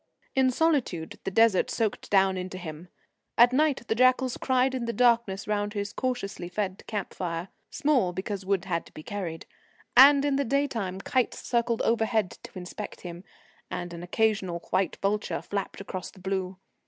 In solitude the Desert soaked down into him. At night the jackals cried in the darkness round his cautiously fed camp fire small, because wood had to be carried and in the day time kites circled overhead to inspect him, and an occasional white vulture flapped across the blue.